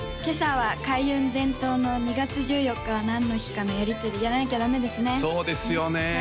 今朝は開運伝統の「２月１４日は何の日か」のやり取りやらなきゃダメですね